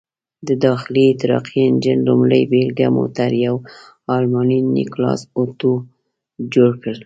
د داخلي احتراقي انجن لومړۍ بېلګه موټر یو الماني نیکلاس اتو جوړ کړ.